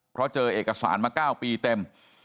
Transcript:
เพราะเจอเอกสารมา๙ปีเต็ม